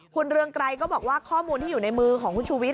คุณเรืองไกรก็บอกว่าข้อมูลที่อยู่ในมือของคุณชูวิทย